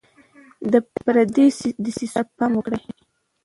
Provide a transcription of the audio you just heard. د پردیو دسیسو ته پام کوئ.